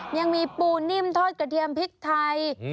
ยังมีปูนิ่มทอดกระเทียมพริกไทย